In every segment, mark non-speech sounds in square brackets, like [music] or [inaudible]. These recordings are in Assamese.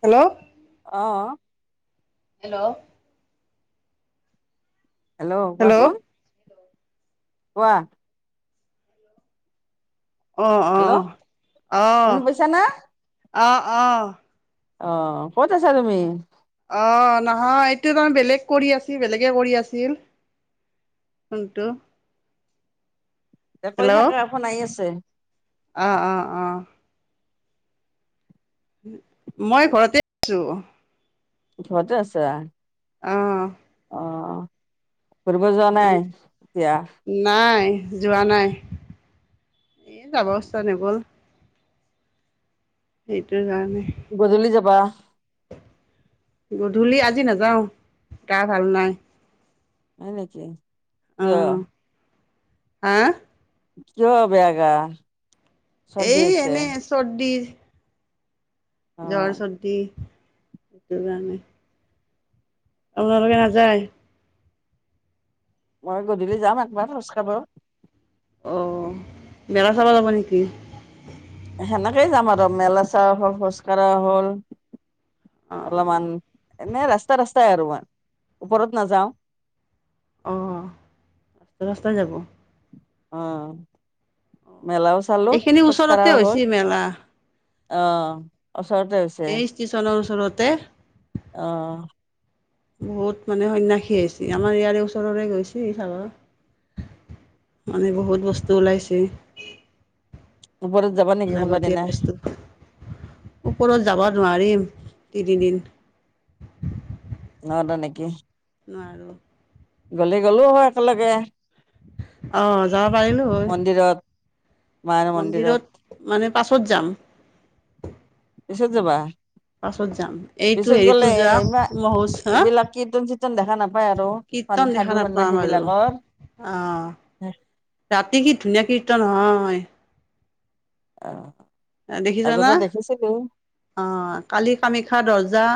হেল্লৌ' অঁ' হেল্লৌ' হেল্লৌ' হেল্ল' কোৱাচোন। কোৱা। অঁ হেল্ল' অঁ' শুনি অহ' পাইছা না? অঁ অঁ'। অঁ' ক'ত আছা তুমি? অ' নহয় এইটো তামানে বেলেগ কৰি আছিল, বেলেগে কৰি আছিল। কোনটো? এয়া কৈছা, কাৰ ফোন আহি আছে। অঁ' অঁ' অঁ'। মই ঘৰতে আছো। ঘৰতে আছা। অঁ' অঁ, ফুৰিব যোৱা নাই এতিয়া। নাই, যোৱা নাই। এই যাব ইচ্ছা নগ'ল। সেইটোৰ কাৰণে। গধূলি যাবা। গধূলি আজি নাযাওঁ, গা ভাল নাই। হয় নেকি, কিয়? হাঁ' কিয় বেয়া গা? চৰ্দি এই হৈছে এনেই চৰ্দি। জ্বৰ অ', চৰ্দি, সেইটো কাৰণে। আপোনালোকে নাযায়। মই গধূলি যাম একবাৰ, খোজকাঢ়িব। অ' মেলা চাব যাবা নেকি? সেনেকেই যাম আৰু মেলা চাৱা হ'ল, খোজ কঢ়া হ'ল অঁ অলপমান এনেই ৰাস্তাই - ৰাস্তাই আৰু মই, ওপৰত নাযাওঁ। অ', ৰাস্তাই যাব? অ', মেলাও চালো, এইখিনি খোজ ওচৰতে কাঢ়াও হ'ল। হৈছে মেলা অ' ওচৰতে হৈছ এই ষ্টেচনৰ ওচৰতে। অ'। বহুত মানে সণ্যাসী আহিছে, আমাৰ ইয়াৰে ওচৰৰে গৈছে এইফালৰ। মানে বহুত বস্তু ওলাইছে। ওপৰত যাবা নেকি কোনোবা লাগতিয়াল দিনা বস্তু, ওপৰত যাব নোৱাৰিম তিনিদিন। ন'দ নেকি? নোৱাৰোঁ। গ'লে গ'লো হয় একেলগে। অ' যাব পাৰিলো হয়। মন্দিৰত মন্দিৰত, মানে পাছত যাম। পিছত যাবা? পাছত যাম। এইটো পিছত হেৰিতো যোৱা, মহোজ হা? নতুন চিতন দেখা নাপায় আৰু সাধু - সন্যাসীবিলাকৰ। অ', ৰাতি কি ধুনীয়া কীৰ্তন নোহোৱা হয়। আ এ দেখিছানা? অ', কালি কামাখ্যা দৰ্জা।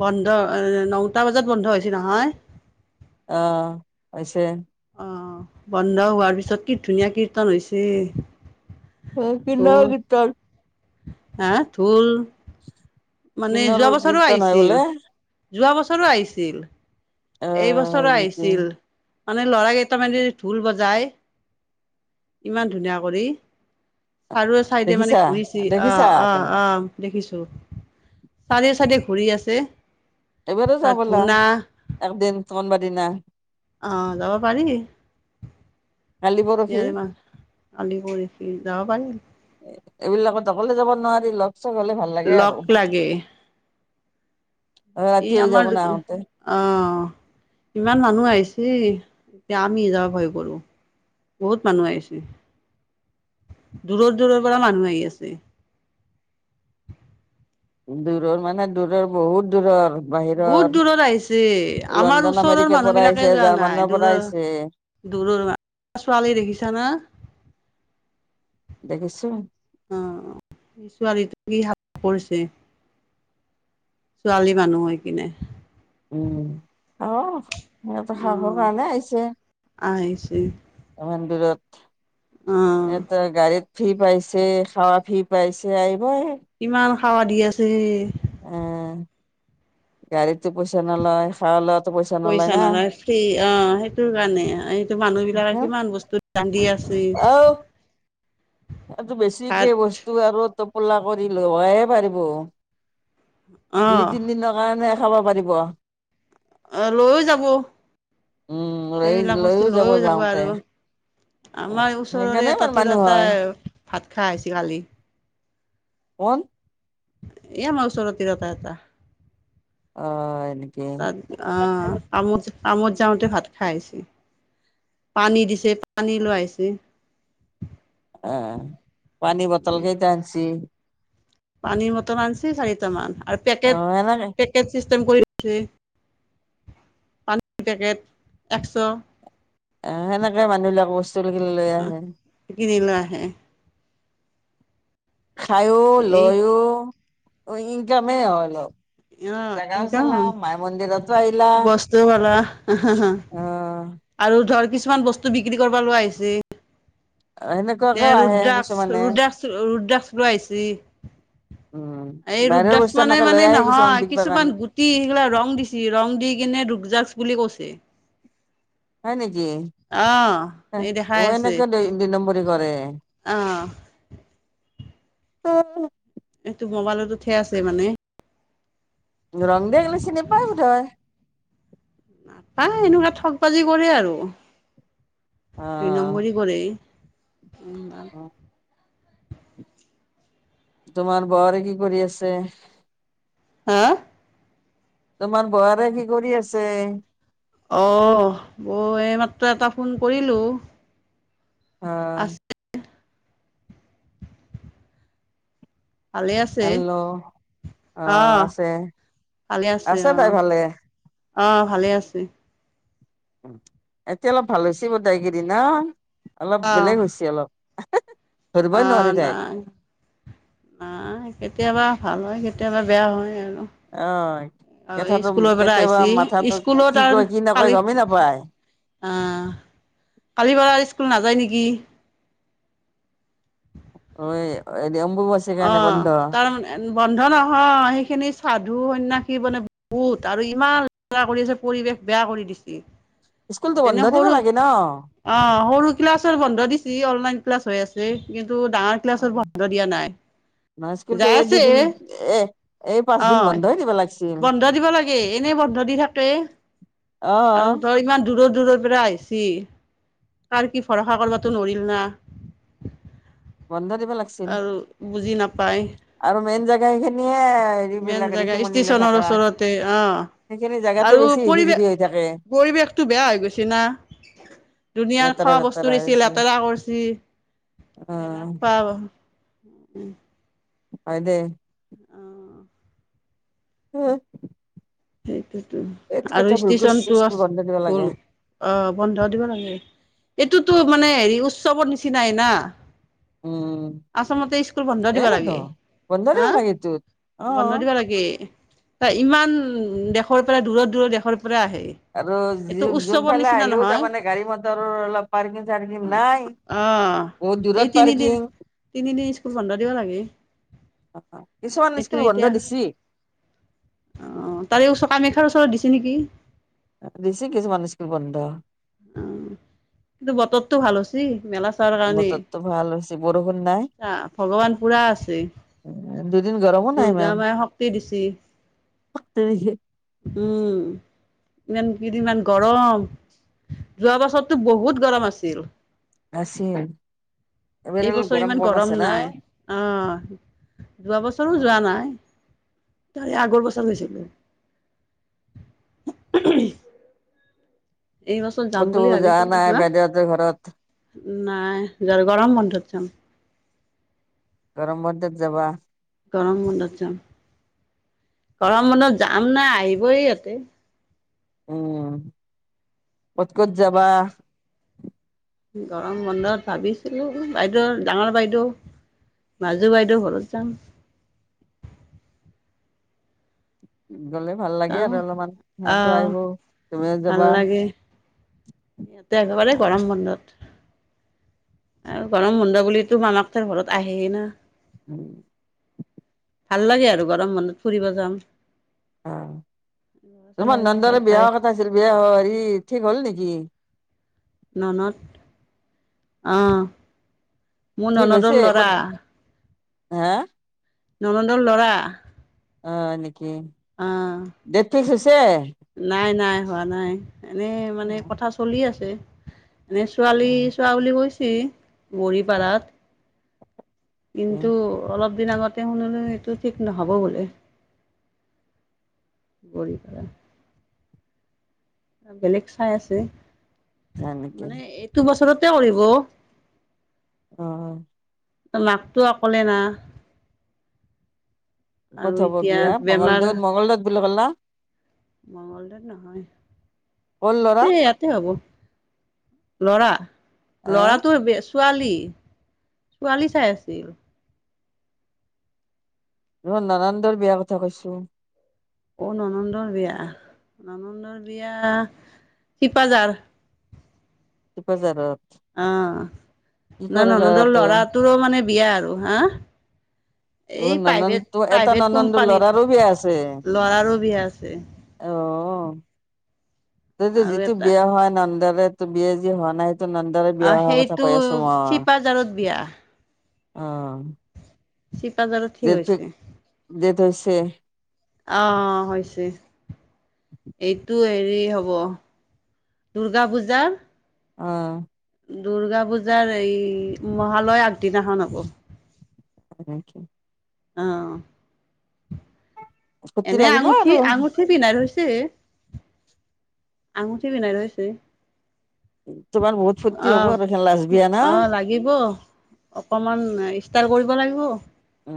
বন্ধ অ নটা বজাত বন্ধ হৈছে নহয়। অ', হৈছে। অ', বন্ধ হোৱাৰ পিছত কি ধুনীয়া কীৰ্তন হৈছে। অ' কেনেকোৱা কীৰ্তন? আহ, ঢোল। মানে যোৱা কিন্নৰৰ বছৰো কীৰ্তন হয় বোলে আহিছিল, যোৱা বছৰো আহিছিল। অ' হয় এইবছৰো নেকি আহিছিল, মানে ল'ৰা কেইটামানদি ঢোল বজায়। ইমান ধুনীয়া কৰি, চাৰিও ছাইডে দেখিছা মানে ঘূৰিছি অ' দেখিছা অ' তুমি অ'। দেখিছো, চাৰিও ছাইডে ঘূৰি আছে। এইবাৰো তাত যাও ব'লা, ধূনা একদিন কোনবাদিনা? অ যাবা পাৰি। কালি পৰহি ইয়াৰে মা, আলি পৰি যাব পাৰিম। এ এইবিলাকত অকলে যাব নোৱাৰি লগ - চগ হলে ভাল। লাগে আৰু লগ লাগে। এই ৰাতি হৈ যাব আমাৰ [unintelligible] না আহোতে অ, ইমান মানুহ আহিছে এতিয়া আমি যাব ভয় কৰো। বহুত মানুহ আহিছে, দূৰৰ - দূৰৰ পৰা মানুহ আহি আছে। দূৰৰ মানে দূৰৰ বহুত দূৰৰ। বাহিৰৰ বহুত দূৰৰ আহিছে, আমাৰ লণ্ডন ওচৰৰ আমেৰিকাৰ পৰা আহিছে মানুহবিলাকে যোৱা জাৰ্মানৰ নাই পৰা দূৰৰ আহিছে দূৰৰ মা, ছোৱালী দেখিছা না? দেখিছো। অ ছোৱালীটোক কি সাপ কৰিছে? ছোৱালী মানুহ হৈ কিনে। উম অহ সিহঁতৰ অ সাহৰ কাৰণে আহিছে। আহিছে। ইমান দূৰত। অ এত গাড়ীত। ফি পাইছে খাৱা ফি পাইছে আহিব আৰু। ইমান খাৱা দি আছে। উম গাড়ীতটো পইচা নলয়। খাল লোৱাটো প‌ইচা। পইচা নলয় ফ্ৰি অ সেইটো কাৰণে এইটো মানুহ বিলাকে কিমান বস্তু। কান্দি আছে। আহ সেইটো বেছিকে ভাত বস্তু। তোৰ আৰু টোপোলা কৰি লৱয়ে পাৰিব। হয়। দুই তিনি দিনৰ কাৰণে খাব পাৰিব। অ লৈয়ো যাব উম লৈ এইবিলাক বস্তু লৈও লৈয়ও যাব যাওঁতে আৰু। আমাৰ ওচৰৰে সেইকাৰণে এটা ইমান মানুহ তিৰতা হয় ভাত খাই আহ হৈছে কালি। কোন? এ আমাৰ ওচৰতে তিৰতা এটা। অ এনেকে। তাত অ আমোদ আমোদ যাওঁতে ভাত খাইছে। পানী দিছে পানী লাইছে। আহ পানী বটল কেইটা আঞ্চি। পানীৰ বটল আনিছে চাৰিটা মান আৰু অ পেকেট সেনেকে পেকেট চিচতেম কৰিছে। পানীৰ পেকেট একশ। অ সেনেকে মানুহবিলাক বস্তু কি লৈ আহে। কিনিল আহে। খাইয়ো এই লয়ো ইনকামেই আৰু অলপ। অ জাগাও একদম চালা মায় মন্দিৰাটো আহিলা। বস্তু পালা অ। আৰু ধৰ কিছুমান বস্তু বিক্ৰী কৰিব লগোৱা আহিছে। এনেকে। এ ৰুদ্ৰাক ৰুদ্ৰাস ৰুদ্ৰাস লৈ আহিছে। উম এই বাহিৰৰ ৰুদ্ৰাস বস্তু মানে এনেকে লৈ মানে আহে কিছুমান নহয় বিকবা কাৰণে কিছুমান গোট। কি সেইগিলা ৰং দিছে ৰং দি কিনে ৰুদ্ৰাকজাক বুলি কৈছে। হয় নেকি? আহ এই অ দেখাই আছে এনেকে দু নম্বৰি কৰে। আহ এ। এইটো মোবাইলত‌ উঠি আছে মানে। ৰং দে গ'লে চিনি পাই বোধ হয়। পাই এনেকুৱা ঠগ বাজি কৰে আৰু। অ দুই নম্বৰি কৰে। [unintelligible] তোমাৰ বোৱাৰী কি কৰি আছে? হা। তোমাৰ বোৱাৰে কি কৰি আছে? অ', বৌ এই মাত্ৰ এটা ফোন কৰিলোঁ। অ'। ভালেই আছে, হেল্ল' অ', অঁ'। আছে, ভালে আছে তাই অঁ', ভালে। অঁ' ভালেই আছে। এতিয়া অলপ ভাল হৈছে গোতেই কেইদিন ন। অলপ বেলেগ হৈছে অলপ। ধৰিবই নোৱাৰি অঁ' তাই নাই। নাই কেতিয়াবা ভাল হয়, কেতিয়াবা বেয়া হয় আৰু। হয়, আৰু কথাটো স্কুলৰ পৰা কেতিয়াবা আহিছি মাথাটো স্কুলত কি কয় কি নকয় গমেই নাপায়। অঁ' কালি বাৰু স্কুল নাযায় নেকি? অ এ এডি অম্বুবাচী- অঁ' তাৰমানে- এ‌ বন্ধ নহয়, সেইখিনি সাধু সন্যাসী মানে বহুত, আৰু ইমান- কৰি আছে, পৰিৱেশ বেয়া কৰি দিচি, স্কুলতো বন্ধ এনে দিব সৰু- লাগে ন? অঁ' সৰু ক্লাছৰ বন্ধ দিছে, অনলাইন ক্লাছ হৈ আছে, কিন্তু ডাঙৰ- ক্লাছৰ বন্ধ দিয়া নাই। না স্কুলতো যাই এই দুইদিন, আছে এই এই পাঁচ অ দিন বন্ধয়ে দিবা লাগছিল। বন্ধ দিব লাগে, এনেই বন্ধ দি থাকে আৰু অ', ধৰ ইমান দূৰৰ দূৰৰ পৰা আহি- চি কাৰ কি ভৰসা কৰিবটো নোৱাৰিম না। বন্ধ দিব লাগ- আৰু বুজি নাপায়। আৰু মেইন জোগা সেইখিনিয়ে- মেইন হেৰিবিলাক জেগা ঋষিমুনিলে ষ্টেশচনৰ থাকা ওচৰতে, সেইখিনি অঁ'। জেগাতো আৰু বেছি হিবি পৰিৱেশ, জিবি হৈ থাকে পৰিৱেশটো বেয়া হৈ গৈছে না। দোনীয়াৰ লেতেৰা খোৱা বস্তু বেতেৰা দিছি হৈছে লেতেৰা কৰিচি। অ [unintelligible] হয় দেই। অঁ'অ' হু' সেইটোতো, এইটো আৰু কথা ভুল কৰিছো ষ্টেশচনটো আছ স্কুল বন্ধ দিব হ'ল। লাগে অ' বন্ধ দিব লাগে, এইটোতো মানে হেৰি উৎসৱৰ নিচিনাই না। উম আচলতে স্কুল বন্ধ দিব এইটো লাগে, বন্ধ দিব হাঁ'। লাগে এইটোত অ বন্ধ দিব লাগে, চা ইমান দেশৰ পৰা দূৰৰ দূৰৰ দেশৰ পৰা আহে। আৰু এইটো য-যোন উৎসৱৰ ফালে নিচিনা আহিলো নহয় তাৰ মানে গাড়ী মটৰৰ অলপ পাৰ্কিং চাৰ্কিং নাই- অ বহুত এই দুৰত তিনিদিন পাৰ্কিং। তিনিদিন স্কুল বন্ধ দিব লাগে। কিছুমান এইটো স্কুল বন্ধ এতিয়া দিছি। অ তাৰে চকামেখাৰ ওচৰত দিছে নেকি? দিছে কিছুমান স্কুল বন্ধ। অঁ' কিন্তু বতৰটো ভাল হৈছি, মেলা চা- তাৰ কাৰণে, বতৰটো ভাল হৈছে বৰষুণ নাই চা ভগৱান পুৰা আছে। দুদিন গৰমো নাই দুৰ্গা মায়ে শক্তি দিছি। শক্তি দিছে। উম' ইমান কিদিন মান গৰম। যোৱা বছৰটো বহুত গৰম আছিল। আছিল। এইবাৰ অলপ গৰম কম আছে ন? অঁ যোৱা বছৰো যোৱা নাই। তাৰে আগৰ বছৰ গৈছিল? এই বছৰত যাম ক'তো বুলি যোৱা ভাবিছিলোঁ নাই হা? বাইদেউহঁতৰ ঘৰত নাই য গৰম বন্ধত যাম। গৰম বন্ধত যাবা? গৰম বন্ধত যাম। গৰম বনত যাম না আহিবৈ আকো। উম ক'ত ক'ত যাবা? গৰম বন্ধত ভাবিছিলো। বাইদেউ ডাঙৰ বাইদেউ মাজো বাইদেও ঘৰত যাম। গ'লে ভাল লাগে চাওঁ আৰু অলপমান সিহঁতো আহ আহিব তুমিও যাবা। এতিয়া একেবাৰে গৰম বন্ধত। আৰু গৰম বন্ধ বুলিটো মামাক তাৰ ঘৰত আহেই না। [unintelligible] ভাল লাগে আৰু গৰম বন্ধত ফুৰিব যাম। অ ল'ৰা তোমাৰ ছোৱালীবিলাক ভাল নন্দৰে বিয়া পায় কথা আছিল বিয়া হেৰি ঠিক হ'ল নেকি? ননত অ। মোৰ ঠিক ননদৰ হৈছে ক'ত? ল'ৰা হা? ননন্দৰ ল'ৰা। অ এনেকে। অ নাই নাই হোৱা নাই এনেই অ মানে কথা চলি আছে এনেই ছোৱালী অ', চোৱা বুলি কৈছে। মৰিপাৰত। কিন্তু অলপ দিন আগতে শুনিলো এইটো ঠিক নহ'ব বোলে। গঢ়ি পেলে। বেলেগ চাই আছে হয় নেকি মানে এইটো বছৰতে কৰিব। অ অ। মাকতো অকলে না? আৰু কত হ'ব এতিয়া বিয়া বেমাৰ মংগলদৈত মঙগলদৈত বুলি কলে না? মংগলদৈত নহয়। কৰ ইয়াতে ল'ৰা ইয়াত। এই হ'ব। ল'ৰা আহ ল'ৰাটোৰ বেষ্ট ছোৱালী ছোৱালী চাই আছিল। মই ননন্দৰ বিয়া কথা কৈছো। অ ননন্দৰ বিয়া। ননন্দৰ বিয়া শিপাজাৰ। শিপাজাৰত। অ ননন্দৰ ল'ৰাটোৱে লৰাটোৰো মানে বিয়া আৰু হা অ এই প্ৰাইভেট ননন্দটো এটা প্ৰাইভেট ননন্দৰ কোম্পানীত। ল'ৰাৰো বিয়া আছে ল'ৰাৰো বিয়া আছে। অ যদি আৰু যিটো এটা বিয়া হোৱা। নন্দাৰে তো বিয়া যি হোৱা নাই সেইটো নন্দাৰে অ বিয়া অহা কথা সেইটো কৈ আছো মই। চিপাঝাৰত বিয়া অ। শিপাজাৰত কি হৈছে। দেত হৈছে। অ হৈছে। এইটো হেৰি হ'ব। দুূৰ্গা পূজাৰ অ। দুূৰ্গা পূজাৰ এই মহালয় আগদিনাখন হ'ব। তেক। অ। ফূৰ্তি এনে লাগিব আঙুঠি আৰু আঙুঠি পিন্ধাই থৈছে? আঙুঠি পিন্ধাই থৈছে। তোমাৰ বহুত ফূৰ্তি হ'ব আৰু। লাজ বিয়া না। দিব? অকমান ইষ্টাইল কৰিব লাগিব। অঁ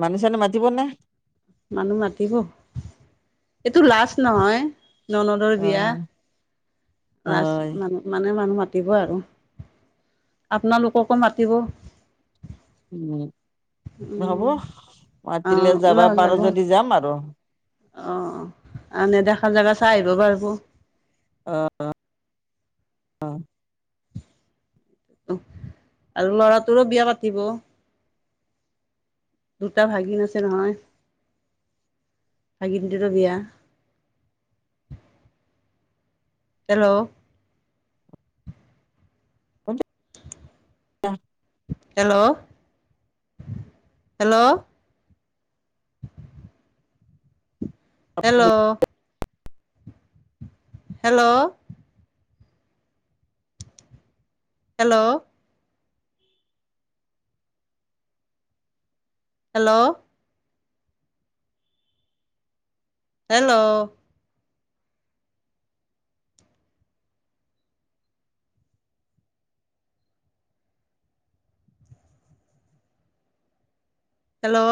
মানুহ- চানু মাতিব নে? মানু মাতিব। এইটো লাছ নহয়। ননদৰ অ বিয়া। ৰাজ হয় মানে মানে মানু মাতিব আৰু। আপোনালোককো মাতিব। উম, হ'ব। উম অ মাতিলে যাবা। পাৰো যদি যাম আৰু। অঁ, নেদেখা জেগা চাই আহিব পাৰব। অঁ, অঁ অঁ। অঁহ আৰু ল'ৰাটোৰো বিয়া পাতিব। দুটা ভাগিন আছে নহয়। ভাগিনটোৰো বিয়া। হেল্ল! অ কে, অঁ। Hello! Hello! Hello! Hello! Hello! Hello! Hello! Hello!